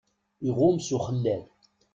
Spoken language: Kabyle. Iɣum s uxellal.